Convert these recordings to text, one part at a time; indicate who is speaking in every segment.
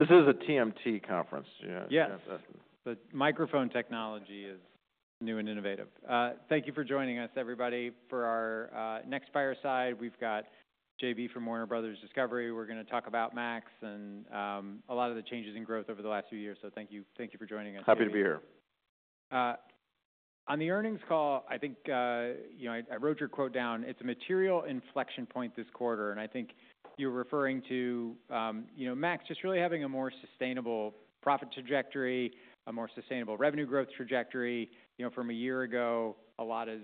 Speaker 1: This is a TMT conference. Yes, but microphone technology is new and innovative. Thank you for joining us, everybody, for our next Fireside. We've got JB from Warner Bros. Discovery. We're going to talk about Max and a lot of the changes in growth over the last few years. So thank you for joining us. Happy to be here. On the earnings call, I think I wrote your quote down. It's a material inflection point this quarter. And I think you're referring to Max just really having a more sustainable profit trajectory, a more sustainable revenue growth trajectory. From a year ago, a lot has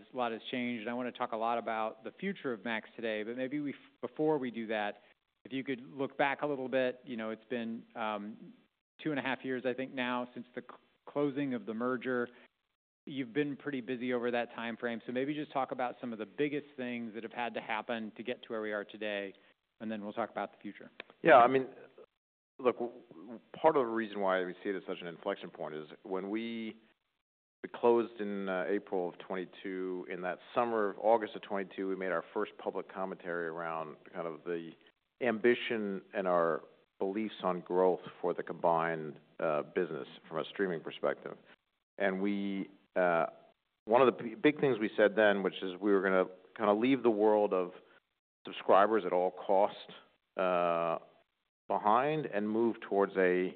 Speaker 1: changed. And I want to talk a lot about the future of Max today. But maybe before we do that, if you could look back a little bit. It's been two and a half years, I think, now since the closing of the merger. You've been pretty busy over that time frame. So maybe just talk about some of the biggest things that have had to happen to get to where we are today. And then we'll talk about the future. Yeah. I mean, look, part of the reason why we see it as such an inflection point is when we closed in April of 2022, in that summer of August of 2022, we made our first public commentary around kind of the ambition and our beliefs on growth for the combined business from a streaming perspective. And one of the big things we said then, which is we were going to kind of leave the world of subscribers at all costs behind and move towards a,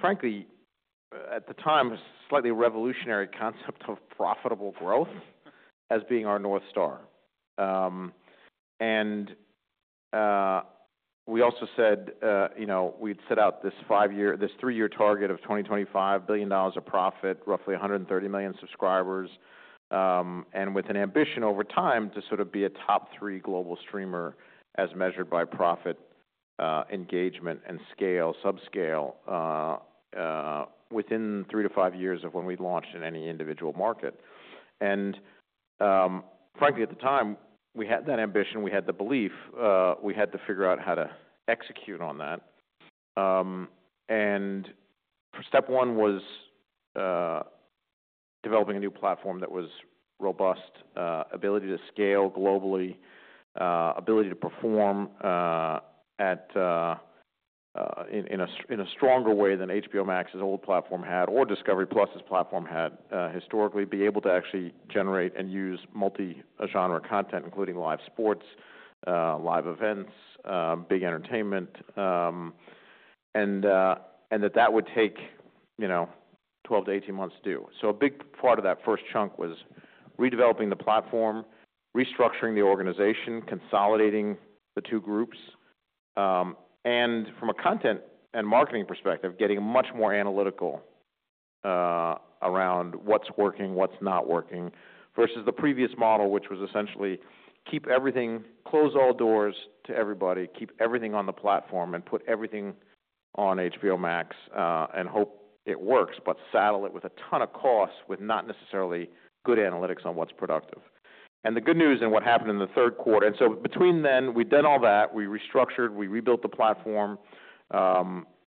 Speaker 1: frankly, at the time, slightly revolutionary concept of profitable growth as being our North Star. And we also said we'd set out this three-year target of $20 billion of profit, roughly 130 million subscribers, and with an ambition over time to sort of be a top three global streamer as measured by profit engagement and scale, subscale, within three to five years of when we launched in any individual market. And frankly, at the time, we had that ambition. We had the belief. We had to figure out how to execute on that. And step one was developing a new platform that was robust, ability to scale globally, ability to perform in a stronger way than HBO Max's old platform had or Discovery+'s platform had historically, be able to actually generate and use multi-genre content, including live sports, live events, big entertainment, and that that would take 12 to 18 months to do. So a big part of that first chunk was redeveloping the platform, restructuring the organization, consolidating the two groups, and from a content and marketing perspective, getting much more analytical around what's working, what's not working versus the previous model, which was essentially keep everything, close all doors to everybody, keep everything on the platform, and put everything on HBO Max and hope it works, but saddle it with a ton of costs with not necessarily good analytics on what's productive. And the good news and what happened in Q3. And so between then, we'd done all that. We restructured. We rebuilt the platform.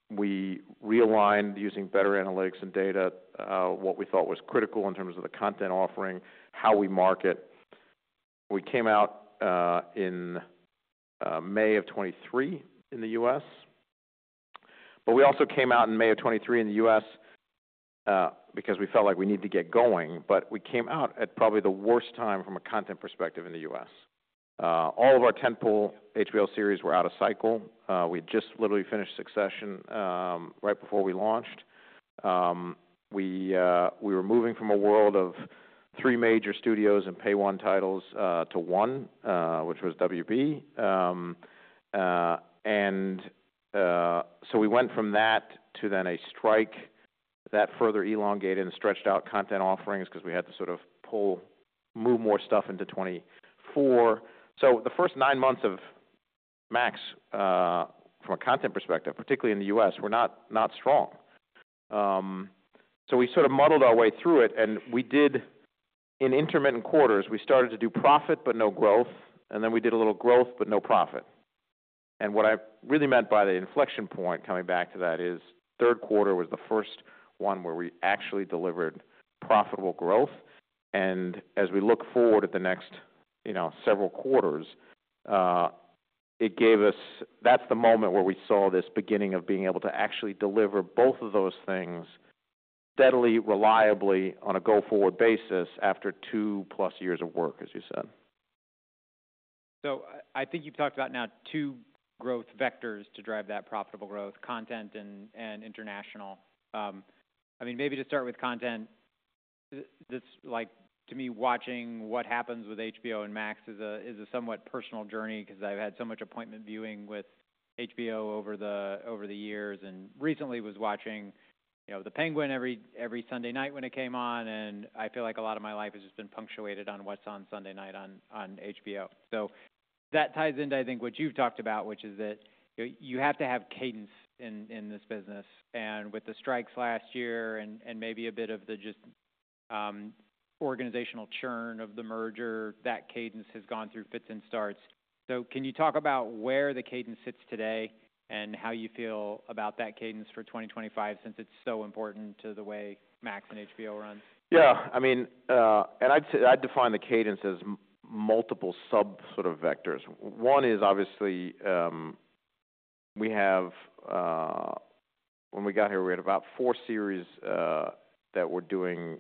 Speaker 1: We realigned using better analytics and data, what we thought was critical in terms of the content offering, how we market. We came out in May of 2023 in the U.S. But we also came out in May of 2023 in the U.S. because we felt like we needed to get going. But we came out at probably the worst time from a content perspective in the U.S. All of our tentpole HBO series were out of cycle. We had just literally finished Succession right before we launched. We were moving from a world of three major studios and Pay-One titles to one, which was WB. And so we went from that to then a strike that further elongated and stretched out content offerings because we had to sort of move more stuff into 2024. So the first nine months of Max, from a content perspective, particularly in the U.S., were not strong. So we sort of muddled our way through it. And in intermittent quarters, we started to do profit but no growth. And then we did a little growth but no profit. And what I really meant by the inflection point, coming back to that, is Q3 was the first one where we actually delivered profitable growth. And as we look forward at the next several quarters, that's the moment where we saw this beginning of being able to actually deliver both of those things steadily, reliably on a go-forward basis after two-plus years of work, as you said. So I think you've talked about now two growth vectors to drive that profitable growth: content and international. I mean, maybe to start with content, to me, watching what happens with HBO and Max is a somewhat personal journey because I've had so much appointment viewing with HBO over the years. And recently, I was watching The Penguin every Sunday night when it came on. And I feel like a lot of my life has just been punctuated on what's on Sunday night on HBO. So that ties into, I think, what you've talked about, which is that you have to have cadence in this business. And with the strikes last year and maybe a bit of the just organizational churn of the merger, that cadence has gone through fits and starts. So can you talk about where the cadence sits today and how you feel about that cadence for 2025 since it's so important to the way Max and HBO runs? Yeah. I mean, and I'd define the cadence as multiple sub-sort of vectors. One is, obviously, when we got here, we had about four series that were doing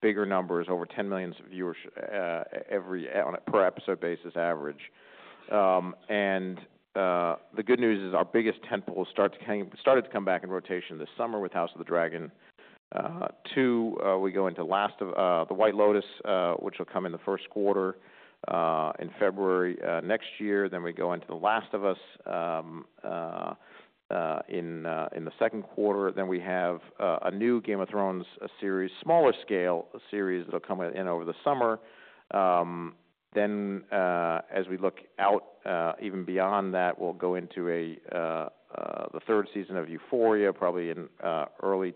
Speaker 1: bigger numbers, over 10 million viewers per episode basis average. And the good news is our biggest tentpole started to come back in rotation this summer with House of the Dragon. Two, we go into The White Lotus, which will come in Q1 in February next year. Then we go into The Last of Us in Q2. Then we have a new Game of Thrones series, smaller scale series that will come in over the summer. Then, as we look out even beyond that, we'll go into the third season of Euphoria, probably in early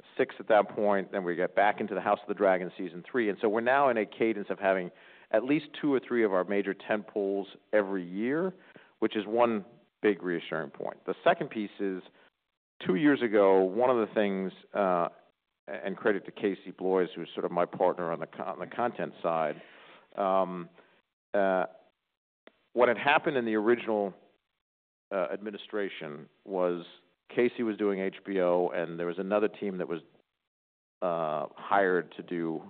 Speaker 1: 2026 at that point. Then we get back into the House of the Dragon season three. And so we're now in a cadence of having at least two or three of our major tentpoles every year, which is one big reassuring point. The second piece is two years ago, one of the things, and credit to Casey Bloys, who's sort of my partner on the content side, what had happened in the original administration was Casey was doing HBO, and there was another team that was hired to do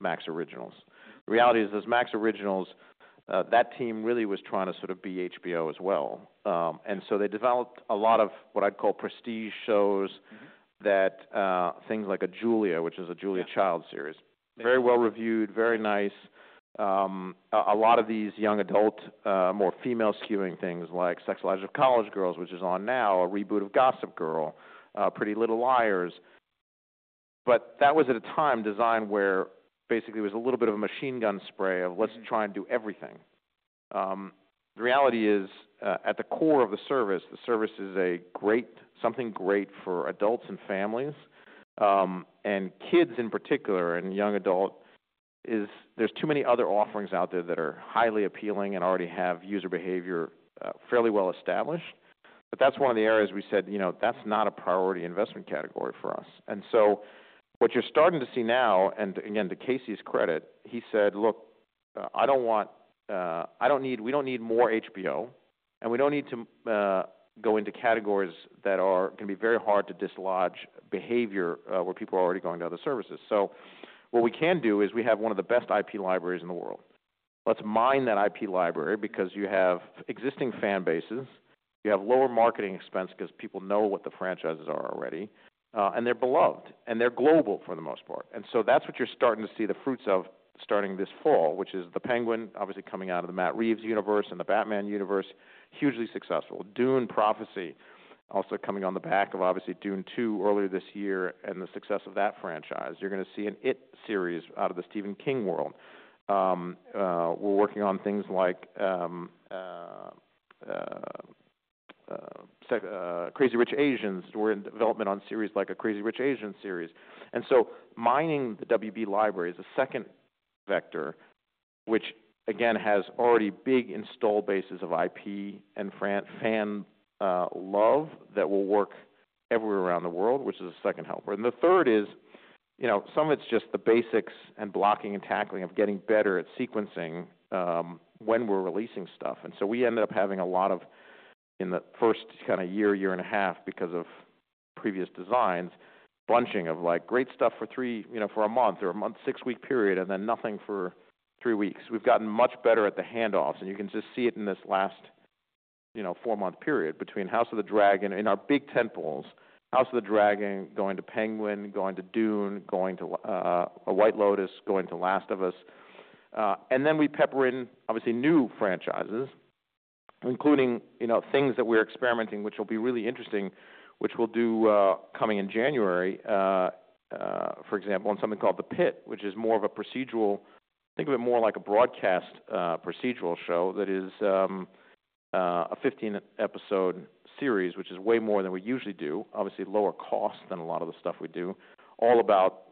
Speaker 1: Max Originals. The reality is, as Max Originals, that team really was trying to sort of be HBO as well. And so they developed a lot of what I'd call prestige shows, things like Julia, which is a Julia Child series, very well reviewed, very nice. A lot of these young adult, more female-skewing things like Sex Lives of College Girls, which is on now, a reboot of Gossip Girl, Pretty Little Liars. But that was at a time designed where basically it was a little bit of a machine gun spray of, "Let's try and do everything." The reality is, at the core of the service, the service is something great for adults and families. And kids in particular and young adults, there's too many other offerings out there that are highly appealing and already have user behavior fairly well established. But that's one of the areas we said, "That's not a priority investment category for us." And so what you're starting to see now, and again, to Casey's credit, he said, "Look, I don't need more HBO, and we don't need to go into categories that are going to be very hard to dislodge behavior where people are already going to other services." So what we can do is we have one of the best IP libraries in the world. Let's mine that IP library because you have existing fan bases. You have lower marketing expense because people know what the franchises are already, and they're beloved and they're global for the most part, so that's what you're starting to see the fruits of starting this fall, which is The Penguin, obviously coming out of the Matt Reeves universe and the Batman universe, hugely successful. Dune: Prophecy, also coming on the back of obviously Dune 2 earlier this year and the success of that franchise. You're going to see an It series out of the Stephen King world. We're working on things like Crazy Rich Asians. We're in development on series like a Crazy Rich Asians series. Mining the WB library is a second vector, which, again, has already big installed bases of IP and fan love that will work everywhere around the world, which is a second helper. The third is some of it's just the basics and blocking and tackling of getting better at sequencing when we're releasing stuff. We ended up having a lot of, in the first kind of year, year and a half because of previous designs, bunching of great stuff for a month or a six-week period and then nothing for three weeks. We've gotten much better at the handoffs. You can just see it in this last four-month period between House of the Dragon in our big tentpoles, House of the Dragon going to The Penguin, going to Dune, going to The White Lotus, going to The Last of Us. Then we pepper in, obviously, new franchises, including things that we're experimenting, which will be really interesting, which we'll do coming in January, for example, on something called The Pitt, which is more of a procedural, think of it more like a broadcast procedural show that is a 15-episode series, which is way more than we usually do, obviously lower cost than a lot of the stuff we do, all about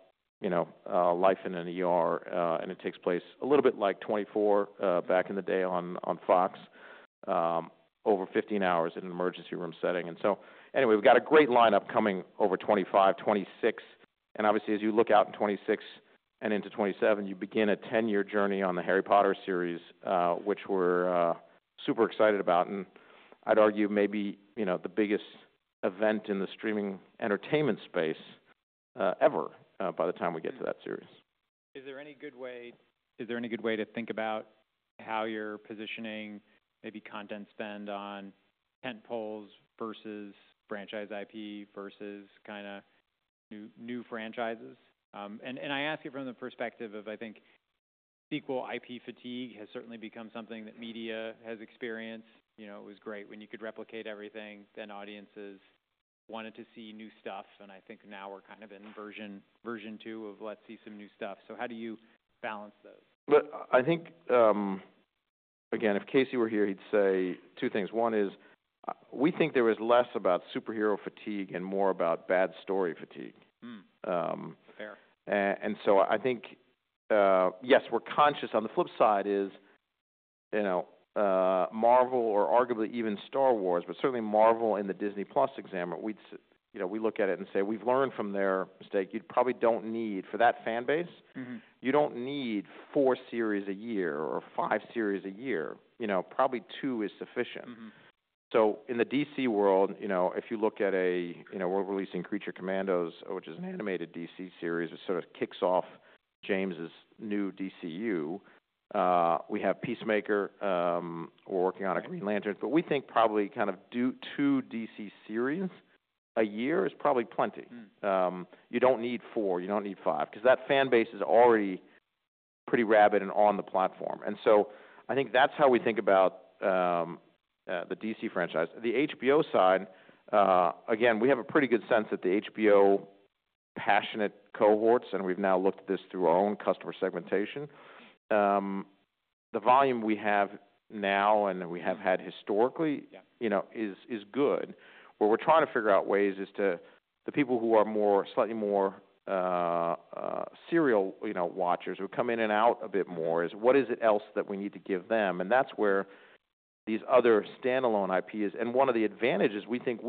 Speaker 1: life in an ER. And it takes place a little bit like 24 back in the day on Fox, over 15 hours in an emergency room setting. And so anyway, we've got a great lineup coming over 2025, 2026. And obviously, as you look out in 2026 and into 2027, you begin a 10-year journey on the Harry Potter series, which we're super excited about. I'd argue maybe the biggest event in the streaming entertainment space ever by the time we get to that series. Is there any good way to think about how you're positioning maybe content spend on tentpoles versus franchise IP versus kind of new franchises? And I ask it from the perspective of, I think, sequel IP fatigue has certainly become something that media has experienced. It was great when you could replicate everything. Then audiences wanted to see new stuff. And I think now we're kind of in version two of, "Let's see some new stuff." So how do you balance those? I think, again, if Casey were here, he'd say two things. One is we think there was less about superhero fatigue and more about bad story fatigue. Fair. And so I think, yes, we're conscious. On the flip side is Marvel or arguably even Star Wars, but certainly Marvel in the Disney+ example, we look at it and say, "We've learned from their mistake. You probably don't need, for that fan base, you don't need four series a year or five series a year. Probably two is sufficient." So in the DC world, if you look at, we're releasing Creature Commandos, which is an animated DC series that sort of kicks off James's new DCU. We have Peacemaker. We're working on a Green Lantern. But we think probably kind of two DC series a year is probably plenty. You don't need four. You don't need five because that fan base is already pretty rabid and on the platform. And so I think that's how we think about the DC franchise. The HBO side, again, we have a pretty good sense that the HBO passionate cohorts, and we've now looked at this through our own customer segmentation, the volume we have now and we have had historically is good. Where we're trying to figure out ways is to the people who are slightly more serial watchers who come in and out a bit more is what is it else that we need to give them? And that's where these other standalone IP is. And one of the advantages we think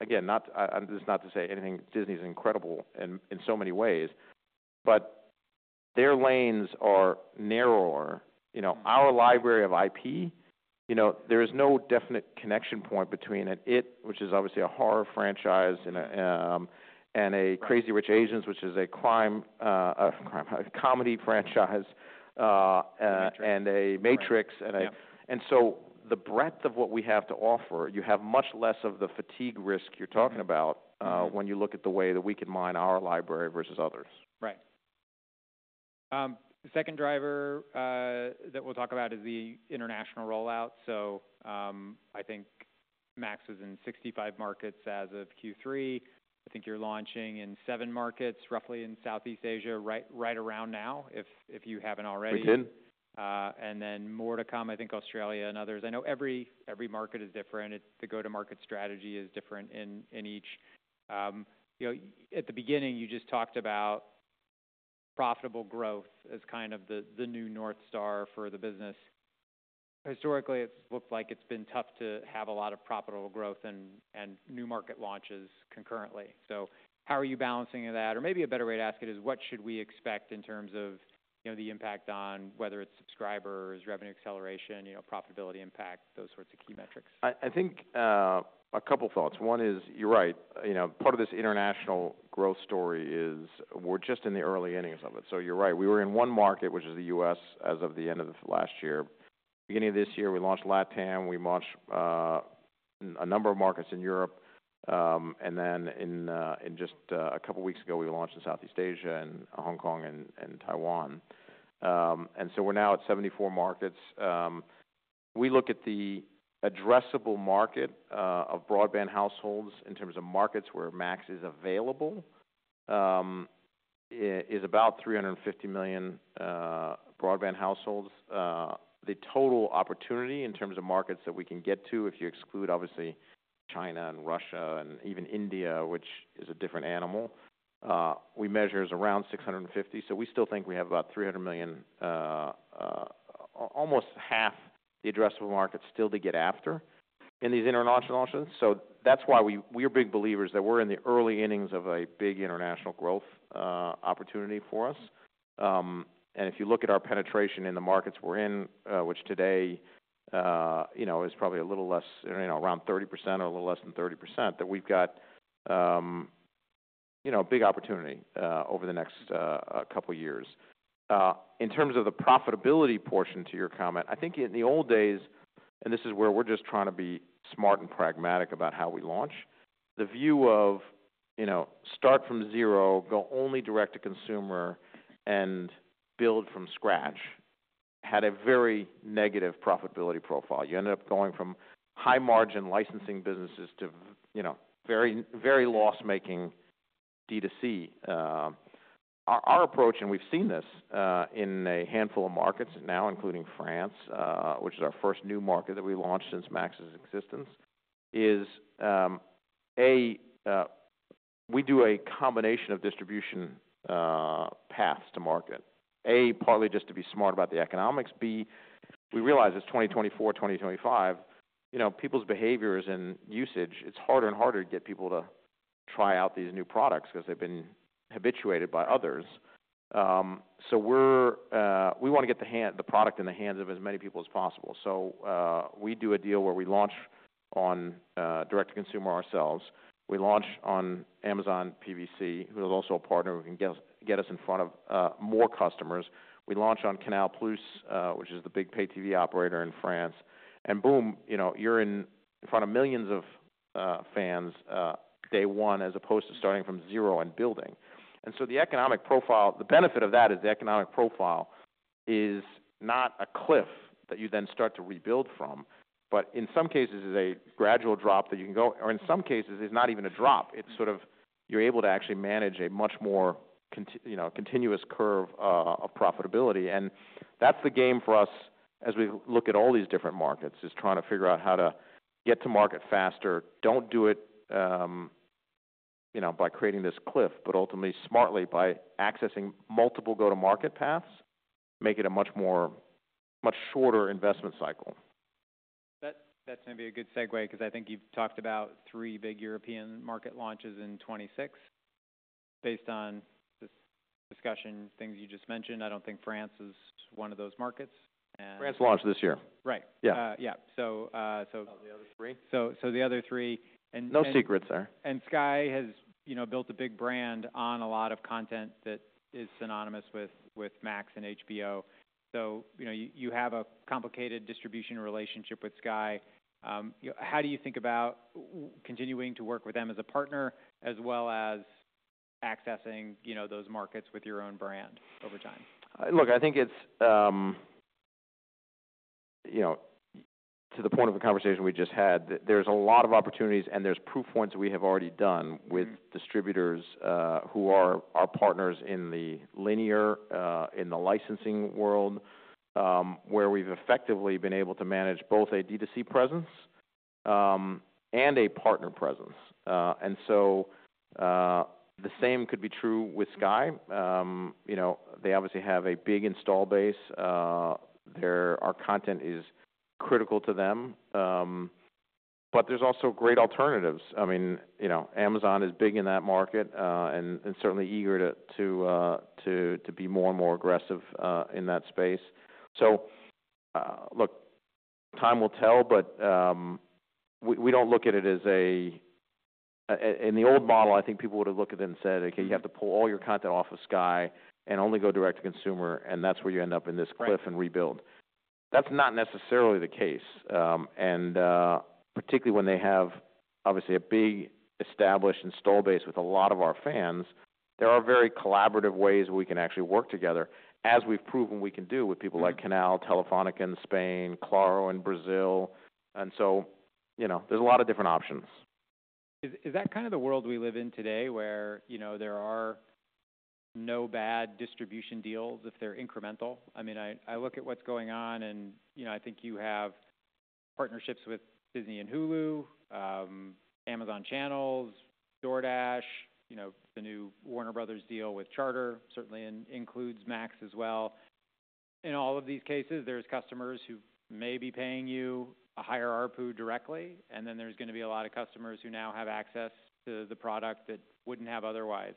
Speaker 1: we have, again, this is not to say anything Disney is incredible in so many ways, but their lanes are narrower. Our library of IP, there is no definite connection point between an It, which is obviously a horror franchise, and a Crazy Rich Asians, which is a comedy franchise, and a Matrix. And so the breadth of what we have to offer, you have much less of the fatigue risk you're talking about when you look at the way that we can mine our library versus others. Right. Second driver that we'll talk about is the international rollout, so I think Max was in 65 markets as of Q3. I think you're launching in seven markets, roughly in Southeast Asia, right around now, if you haven't already. We did. And then more to come, I think, Australia and others. I know every market is different. The go-to-market strategy is different in each. At the beginning, you just talked about profitable growth as kind of the new North Star for the business. Historically, it's looked like it's been tough to have a lot of profitable growth and new market launches concurrently. So how are you balancing that? Or maybe a better way to ask it is, what should we expect in terms of the impact on whether it's subscribers, revenue acceleration, profitability impact, those sorts of key metrics? I think a couple of thoughts. One is, you're right. Part of this international growth story is we're just in the early innings of it. So you're right. We were in one market, which is the U.S., as of the end of last year. Beginning of this year, we launched LATAM. We launched a number of markets in Europe. And then just a couple of weeks ago, we launched in Southeast Asia and Hong Kong and Taiwan. And so we're now at 74 markets. We look at the addressable market of broadband households in terms of markets where Max is available is about 350 million broadband households. The total opportunity in terms of markets that we can get to, if you exclude, obviously, China and Russia and even India, which is a different animal, we measure is around 650. We still think we have about 300 million, almost half the addressable market still to get after in these international launches. That's why we are big believers that we're in the early innings of a big international growth opportunity for us. If you look at our penetration in the markets we're in, which today is probably a little less, around 30% or a little less than 30%, that we've got a big opportunity over the next couple of years. In terms of the profitability portion to your comment, I think in the old days, and this is where we're just trying to be smart and pragmatic about how we launch, the view to start from zero, go only direct to consumer, and build from scratch had a very negative profitability profile. You ended up going from high-margin licensing businesses to very loss-making DTC. Our approach, and we've seen this in a handful of markets now, including France, which is our first new market that we launched since Max's existence, is we do a combination of distribution paths to market. A, partly just to be smart about the economics. B, we realize it's 2024, 2025. People's behaviors and usage, it's harder and harder to get people to try out these new products because they've been habituated by others. So we want to get the product in the hands of as many people as possible. So we do a deal where we launch on direct-to-consumer ourselves. We launch on Amazon PVC, who is also a partner who can get us in front of more customers. We launch on Canal+, which is the big pay-TV operator in France. And boom, you're in front of millions of fans day one as opposed to starting from zero and building. And so the economic profile, the benefit of that is the economic profile is not a cliff that you then start to rebuild from, but in some cases, is a gradual drop that you can go, or in some cases, it's not even a drop. It's sort of you're able to actually manage a much more continuous curve of profitability. And that's the game for us as we look at all these different markets, is trying to figure out how to get to market faster. Don't do it by creating this cliff, but ultimately smartly by accessing multiple go-to-market paths, make it a much shorter investment cycle. That's going to be a good segue because I think you've talked about three big European market launches in 2026 based on this discussion, things you just mentioned. I don't think France is one of those markets. France launched this year. Right. Yeah. So. On the other three. So the other three. No secrets, sir. And Sky has built a big brand on a lot of content that is synonymous with Max and HBO. So you have a complicated distribution relationship with Sky. How do you think about continuing to work with them as a partner as well as accessing those markets with your own brand over time? Look, I think it's to the point of the conversation we just had. There's a lot of opportunities and there's proof points we have already done with distributors who are our partners in the linear, in the licensing world, where we've effectively been able to manage both a DC presence and a partner presence. And so the same could be true with Sky. They obviously have a big installed base. Our content is critical to them. But there's also great alternatives. I mean, Amazon is big in that market and certainly eager to be more and more aggressive in that space. So, look, time will tell, but we don't look at it as in the old model. I think people would have looked at it and said, "Okay, you have to pull all your content off of Sky and only go direct to consumer." And that's where you end up in this cliff and rebuild. That's not necessarily the case. And particularly when they have obviously a big established installed base with a lot of our fans, there are very collaborative ways we can actually work together, as we've proven we can do with people like Canal, Telefónica in Spain, Claro in Brazil. And so there's a lot of different options. Is that kind of the world we live in today where there are no bad distribution deals if they're incremental? I mean, I look at what's going on, and I think you have partnerships with Disney and Hulu, Amazon Channels, DoorDash, the new Warner Bros. deal with Charter certainly includes Max as well. In all of these cases, there's customers who may be paying you a higher ARPU directly, and then there's going to be a lot of customers who now have access to the product that wouldn't have otherwise.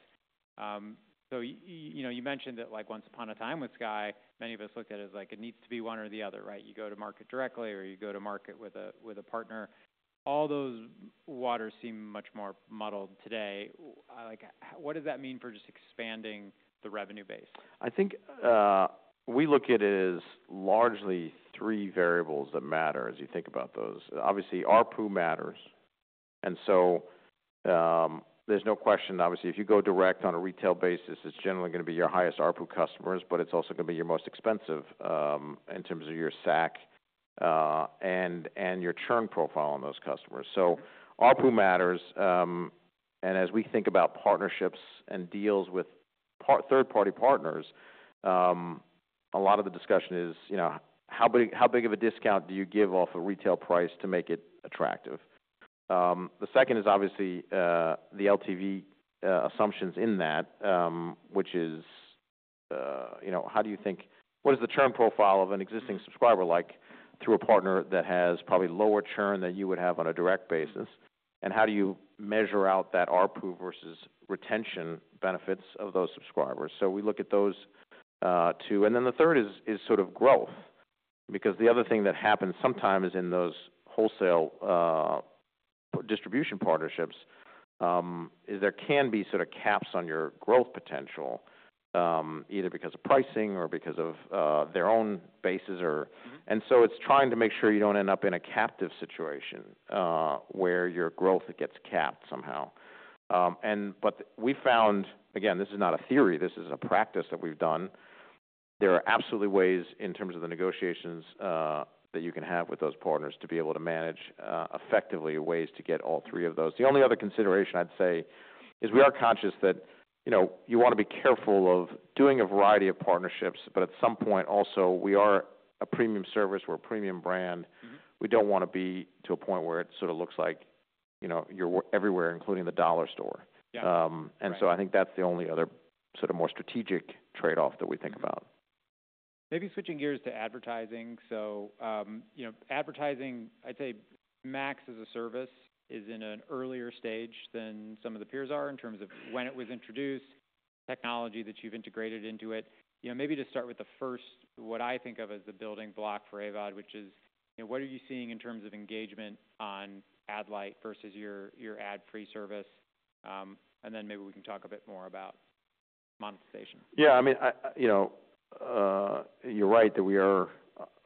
Speaker 1: So you mentioned that once upon a time with Sky, many of us looked at it as it needs to be one or the other, right? You go to market directly or you go to market with a partner. All those waters seem much more muddled today. What does that mean for just expanding the revenue base? I think we look at it as largely three variables that matter as you think about those. Obviously, ARPU matters. And so there's no question, obviously, if you go direct on a retail basis, it's generally going to be your highest ARPU customers, but it's also going to be your most expensive in terms of your SAC and your churn profile on those customers. So ARPU matters. And as we think about partnerships and deals with third-party partners, a lot of the discussion is, how big of a discount do you give off a retail price to make it attractive? The second is obviously the LTV assumptions in that, which is how do you think what is the churn profile of an existing subscriber like through a partner that has probably lower churn than you would have on a direct basis? And how do you measure out that ARPU versus retention benefits of those subscribers? So we look at those two. And then the third is sort of growth because the other thing that happens sometimes in those wholesale distribution partnerships is there can be sort of caps on your growth potential, either because of pricing or because of their own bases. And so it's trying to make sure you don't end up in a captive situation where your growth gets capped somehow. But we found, again, this is not a theory. This is a practice that we've done. There are absolutely ways in terms of the negotiations that you can have with those partners to be able to manage effectively ways to get all three of those. The only other consideration I'd say is we are conscious that you want to be careful of doing a variety of partnerships, but at some point also, we are a premium service. We're a premium brand. We don't want to be to a point where it sort of looks like you're everywhere, including the dollar store. And so I think that's the only other sort of more strategic trade-off that we think about. Maybe switching gears to advertising. So advertising, I'd say Max as a service is in an earlier stage than some of the peers are in terms of when it was introduced, technology that you've integrated into it. Maybe to start with the first, what I think of as the building block for AVOD, which is what are you seeing in terms of engagement on Ad-light versus your ad-free service? And then maybe we can talk a bit more about monetization. Yeah. I mean, you're right that we are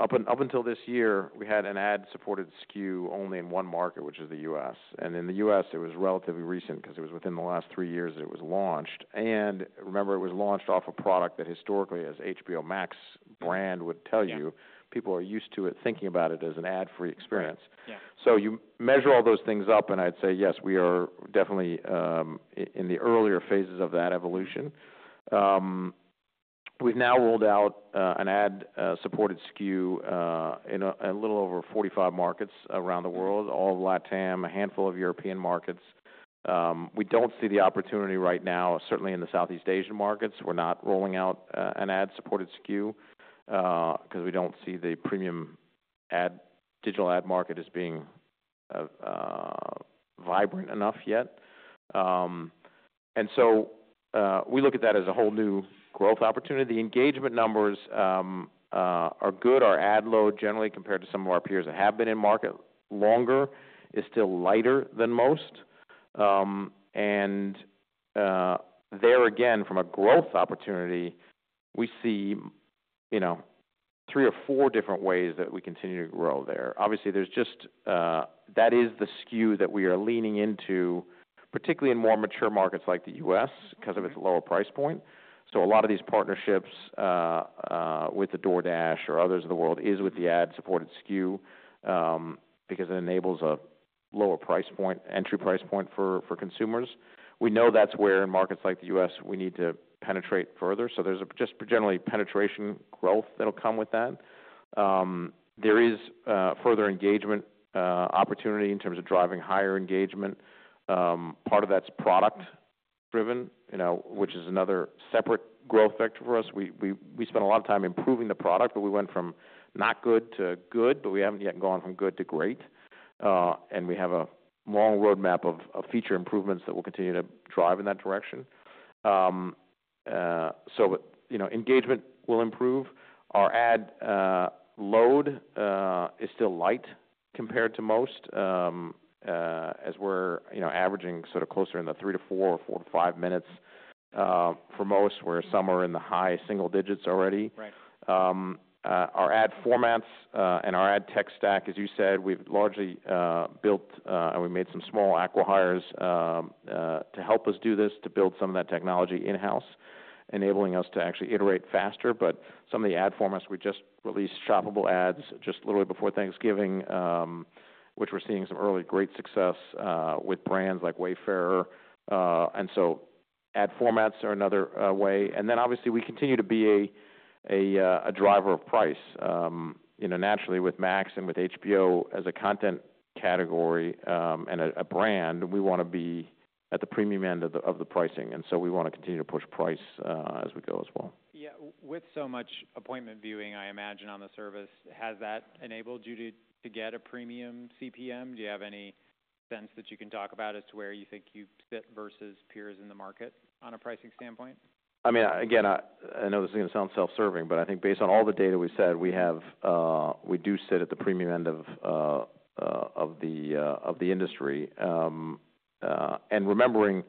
Speaker 1: up until this year, we had an ad-supported SKU only in one market, which is the U.S. And in the U.S., it was relatively recent because it was within the last three years that it was launched. And remember, it was launched off a product that historically, as HBO Max brand would tell you, people are used to it thinking about it as an ad-free experience. So you measure all those things up, and I'd say, yes, we are definitely in the earlier phases of that evolution. We've now rolled out an ad-supported SKU in a little over 45 markets around the world, all of LATAM, a handful of European markets. We don't see the opportunity right now, certainly in the Southeast Asian markets. We're not rolling out an ad-supported SKU because we don't see the premium digital ad market as being vibrant enough yet. And so we look at that as a whole new growth opportunity. The engagement numbers are good. Our ad load, generally compared to some of our peers that have been in market longer, is still lighter than most. And there again, from a growth opportunity, we see three or four different ways that we continue to grow there. Obviously, there's just that is the SKU that we are leaning into, particularly in more mature markets like the U.S. because of its lower price point. So a lot of these partnerships with the DoorDash or others of the world is with the ad-supported SKU because it enables a lower price point, entry price point for consumers. We know that's where in markets like the U.S., we need to penetrate further. There's just generally penetration growth that'll come with that. There is further engagement opportunity in terms of driving higher engagement. Part of that's product-driven, which is another separate growth factor for us. We spent a lot of time improving the product, but we went from not good to good, but we haven't yet gone from good to great. We have a long roadmap of feature improvements that will continue to drive in that direction. Engagement will improve. Our ad load is still light compared to most as we're averaging sort of closer in the three to four or four to five minutes for most, where some are in the high single digits already. Our ad formats and our ad tech stack, as you said, we've largely built and we made some small acquisitions to help us do this, to build some of that technology in-house, enabling us to actually iterate faster, but some of the ad formats, we just released shoppable ads just literally before Thanksgiving, which we're seeing some early great success with brands like Wayfair, and so ad formats are another way, and then obviously, we continue to be a driver of price. Naturally, with Max and with HBO as a content category and a brand, we want to be at the premium end of the pricing, and so we want to continue to push price as we go as well. Yeah. With so much appointment viewing, I imagine on the service, has that enabled you to get a premium CPM? Do you have any sense that you can talk about as to where you think you sit versus peers in the market on a pricing standpoint? I mean, again, I know this is going to sound self-serving, but I think based on all the data we said, we do sit at the premium end of the industry. And remembering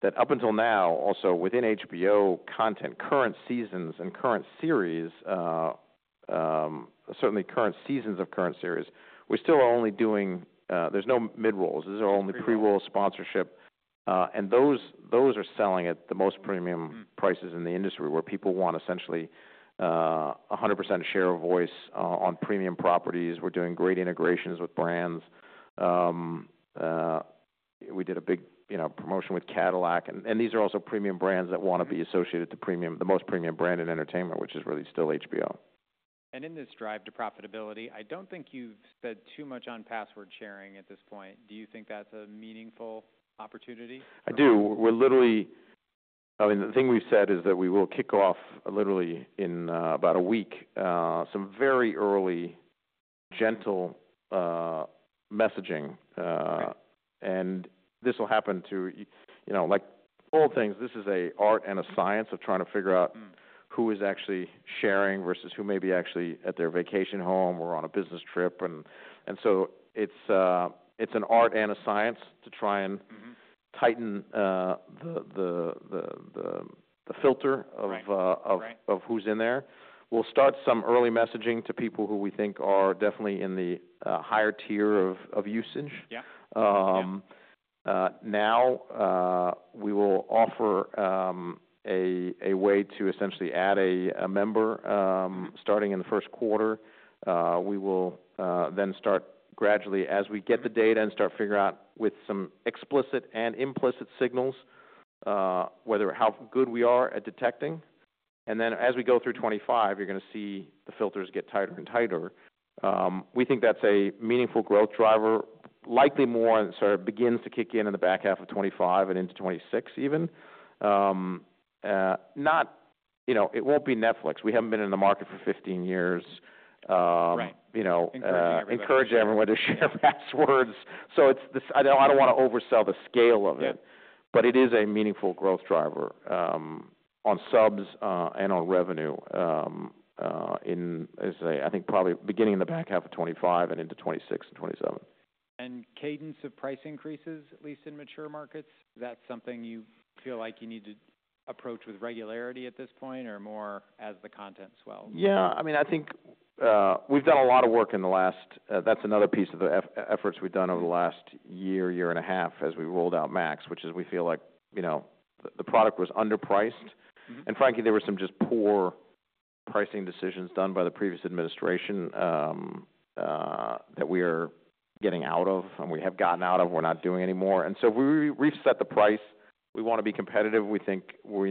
Speaker 1: that up until now, also within HBO content, current seasons and current series, certainly current seasons of current series, we still are only doing. There's no mid-rolls. These are only pre-roll sponsorship. And those are selling at the most premium prices in the industry where people want essentially 100% share of voice on premium properties. We're doing great integrations with brands. We did a big promotion with Cadillac. And these are also premium brands that want to be associated to the most premium brand in entertainment, which is really still HBO. In this drive to profitability, I don't think you've said too much on password sharing at this point. Do you think that's a meaningful opportunity? I do. I mean, the thing we've said is that we will kick off literally in about a week some very early gentle messaging, and this will happen to like all things. This is an art and a science of trying to figure out who is actually sharing versus who may be actually at their vacation home or on a business trip, and so it's an art and a science to try and tighten the filter of who's in there. We'll start some early messaging to people who we think are definitely in the higher tier of usage. Now, we will offer a way to essentially add a member starting in Q1. We will then start gradually, as we get the data and start figuring out with some explicit and implicit signals, whether how good we are at detecting. And then as we go through 2025, you're going to see the filters get tighter and tighter. We think that's a meaningful growth driver, likely more and sort of begins to kick in in the back half of 2025 and into 2026 even. It won't be Netflix. We haven't been in the market for 15 years. Right. Encouraging everyone. Encouraging everyone to share passwords. So I don't want to oversell the scale of it, but it is a meaningful growth driver on subs and on revenue in, as I say, I think probably beginning in the back half of 2025 and into 2026 and 2027. Cadence of price increases, at least in mature markets, is that something you feel like you need to approach with regularity at this point or more as the content swells? Yeah. I mean, I think we've done a lot of work. That's another piece of the efforts we've done over the last year and a half as we rolled out Max, which is we feel like the product was underpriced. And frankly, there were some just poor pricing decisions done by the previous administration that we are getting out of and we have gotten out of. We're not doing anymore, and so we reset the price. We want to be competitive. We think we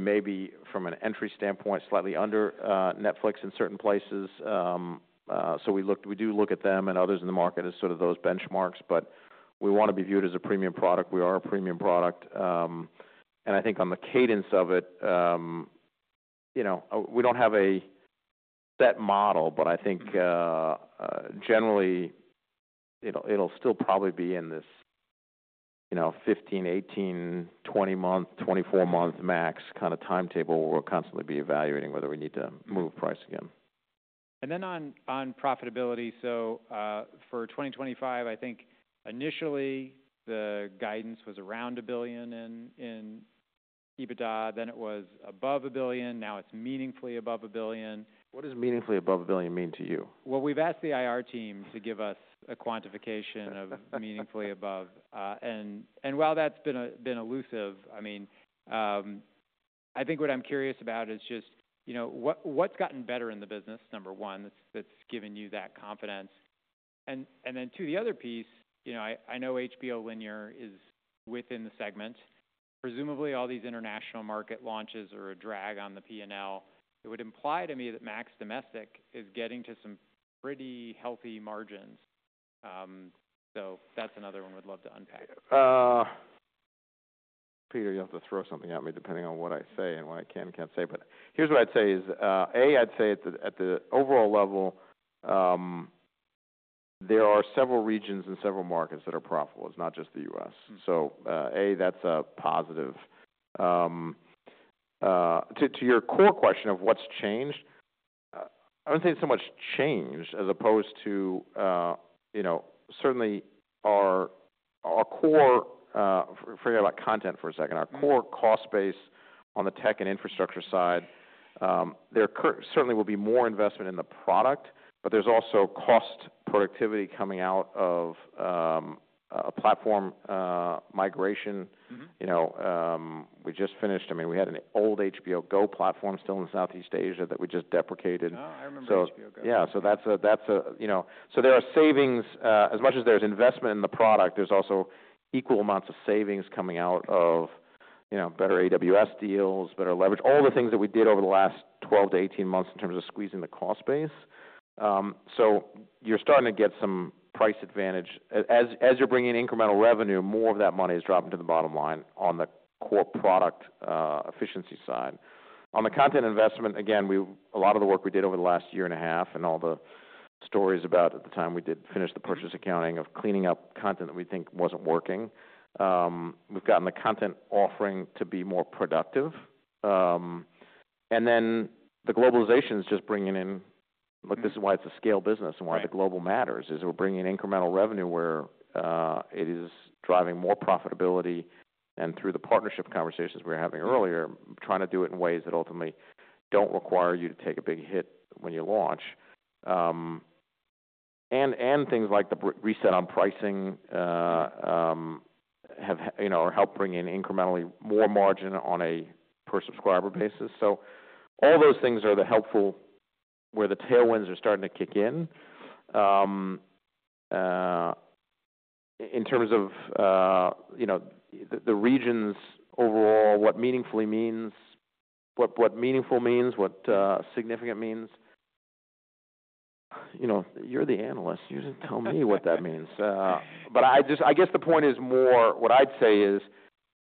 Speaker 1: may be, from an entry standpoint, slightly under Netflix in certain places, so we do look at them and others in the market as sort of those benchmarks, but we want to be viewed as a premium product. We are a premium product. I think on the cadence of it, we don't have a set model, but I think generally it'll still probably be in this 15, 18, 20-month, 24-month max kind of timetable where we'll constantly be evaluating whether we need to move price again. And then on profitability, so for 2025, I think initially the guidance was around $1 billion in EBITDA. Then it was above $1 billion. Now it's meaningfully above $1 billion. What does meaningfully above a billion mean to you? We've asked the IR team to give us a quantification of meaningfully above. While that's been elusive, I mean, I think what I'm curious about is just what's gotten better in the business, number one, that's given you that confidence. Then to the other piece, I know HBO Linear is within the segment. Presumably, all these international market launches are a drag on the P&L. It would imply to me that Max domestic is getting to some pretty healthy margins. So that's another one we'd love to unpack. Peter, you have to throw something at me depending on what I say and what I can and can't say. But here's what I'd say is, A, I'd say at the overall level, there are several regions and several markets that are profitable. It's not just the U.S. So, A, that's a positive. To your core question of what's changed, I wouldn't say it's so much changed as opposed to certainly our core, forget about content for a second. Our core cost base on the tech and infrastructure side, there certainly will be more investment in the product, but there's also cost productivity coming out of a platform migration. We just finished, I mean, we had an old HBO Go platform still in Southeast Asia that we just deprecated. Oh, I remember HBO Go. Yeah. So that's a so there are savings. As much as there's investment in the product, there's also equal amounts of savings coming out of better AWS deals, better leverage, all the things that we did over the last 12 to 18 months in terms of squeezing the cost base. So you're starting to get some price advantage. As you're bringing in incremental revenue, more of that money is dropping to the bottom line on the core product efficiency side. On the content investment, again, a lot of the work we did over the last year and a half and all the stories about at the time we did finish the purchase accounting of cleaning up content that we think wasn't working. We've gotten the content offering to be more productive. And then the globalization is just bringing in. Look, this is why it's a scale business and why the global matters, is we're bringing in incremental revenue where it is driving more profitability. And through the partnership conversations we were having earlier, trying to do it in ways that ultimately don't require you to take a big hit when you launch. And things like the reset on pricing have helped bring in incrementally more margin on a per-subscriber basis. So all those things are the helpful where the tailwinds are starting to kick in. In terms of the regions overall, what meaningfully means, what meaningful means, what significant means, you're the analyst. You didn't tell me what that means. But I guess the point is more what I'd say is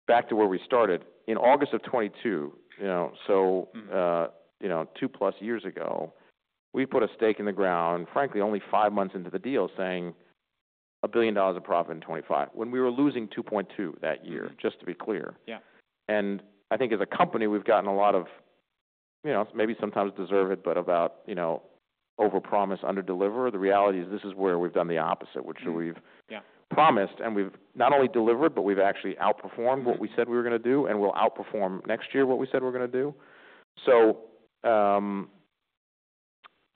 Speaker 1: back to where we started. In August of 2022, so two-plus years ago, we put a stake in the ground, frankly, only five months into the deal saying $1 billion of profit in 2025, when we were losing $2.2 billion that year, just to be clear. And I think as a company, we've gotten a lot of maybe sometimes deserved it, but about overpromise, under-deliver. The reality is this is where we've done the opposite, which we've promised, and we've not only delivered, but we've actually outperformed what we said we were going to do and will outperform next year what we said we're going to do. So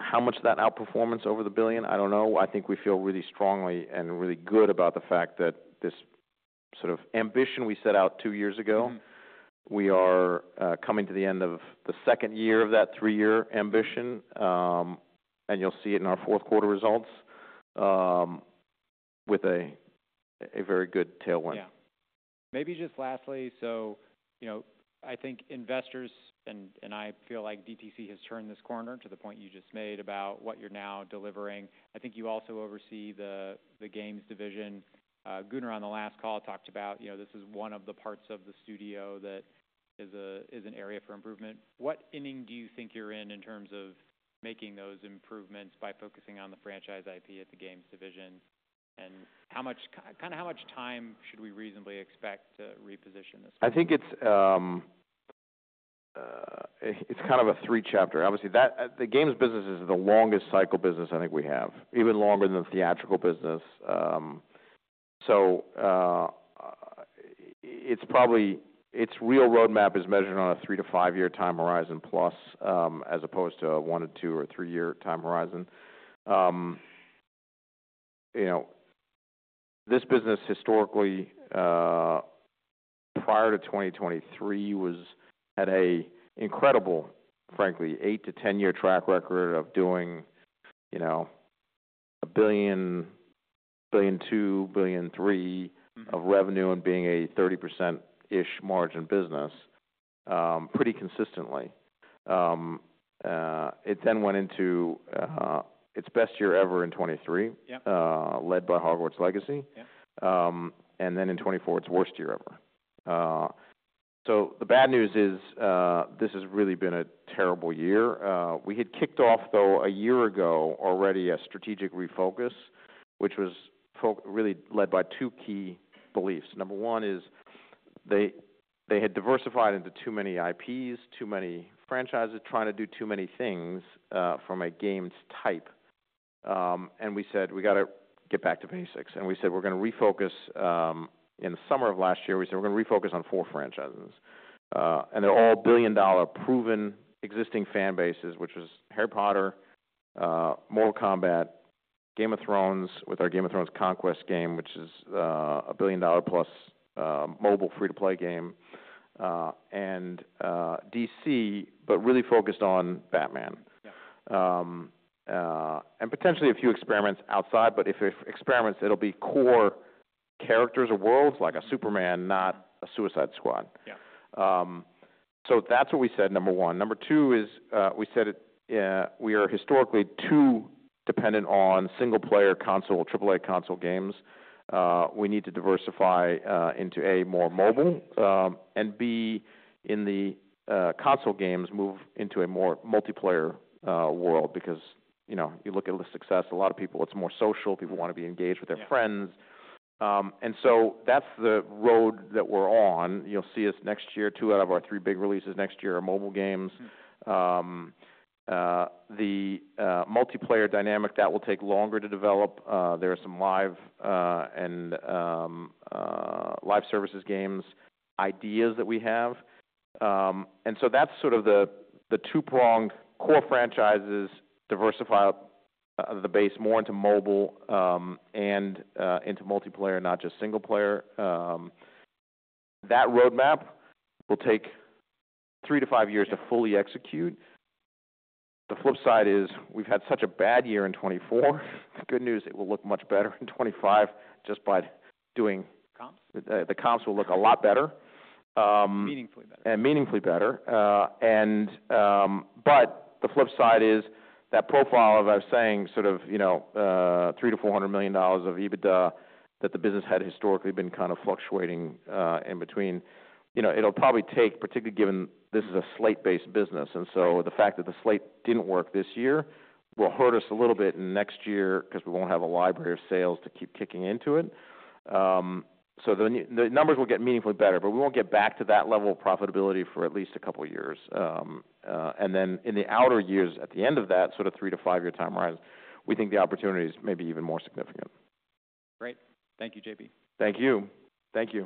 Speaker 1: how much of that outperformance over the $1 billion, I don't know. I think we feel really strongly and really good about the fact that this sort of ambition we set out two years ago, we are coming to the end of the second year of that three-year ambition, and you'll see it in our Q4 results with a very good tailwind. Yeah. Maybe just lastly, so I think investors and I feel like DTC has turned this corner to the point you just made about what you're now delivering. I think you also oversee the games division. Gunnar on the last call talked about this is one of the parts of the studio that is an area for improvement. What inning do you think you're in in terms of making those improvements by focusing on the franchise IP at the games division? And kind of how much time should we reasonably expect to reposition this? I think it's kind of a three-chapter. Obviously, the games business is the longest cycle business I think we have, even longer than the theatrical business, so its real roadmap is measured on a three- to five-year time horizon plus as opposed to a one- to two- or three-year time horizon. This business historically, prior to 2023, had an incredible, frankly, 8- to 10-year track record of doing $1 billion, $1.2 billion, $1.3 billion of revenue and being a 30%-ish margin business pretty consistently. It then went into its best year ever in 2023, led by Hogwarts Legacy, and then in 2024, its worst year ever, so the bad news is this has really been a terrible year. We had kicked off, though, a year ago already a strategic refocus, which was really led by two key beliefs. Number one is they had diversified into too many IPs, too many franchises, trying to do too many things from a games type, and we said, "We got to get back to basics," and we said, "We're going to refocus." In the summer of last year, we said, "We're going to refocus on four franchises," and they're all billion-dollar proven existing fan bases, which was Harry Potter, Mortal Kombat, Game of Thrones with our Game of Thrones Conquest game, which is a billion-dollar plus mobile free-to-play game, and DC, but really focused on Batman, and potentially a few experiments outside, but if experiments, it'll be core characters or worlds like a Superman, not a Suicide Squad. So that's what we said, number one. Number two is we said we are historically too dependent on single-player console, AAA console games. We need to diversify into A, more mobile, and B, in the console games, move into a more multiplayer world because you look at the success, a lot of people, it's more social. People want to be engaged with their friends. And so that's the road that we're on. You'll see us next year, two out of our three big releases next year are mobile games. The multiplayer dynamic, that will take longer to develop. There are some live and live services games ideas that we have. And so that's sort of the two-pronged core franchises, diversify the base more into mobile and into multiplayer, not just single-player. That roadmap will take three to five years to fully execute. The flip side is we've had such a bad year in 2024. The good news is it will look much better in 2025 just by doing. Comps? The comps will look a lot better. Meaningfully better. Meaningfully better. The flip side is that profile of us saying sort of $300 to 400 million of EBITDA that the business had historically been kind of fluctuating in between. It'll probably take, particularly given this is a slate-based business. So the fact that the slate didn't work this year will hurt us a little bit in next year because we won't have a library of sales to keep kicking into it. The numbers will get meaningfully better, but we won't get back to that level of profitability for at least a couple of years. Then in the outer years, at the end of that sort of three to five-year time horizon, we think the opportunity is maybe even more significant. Great. Thank you, JB. Thank you. Thank you.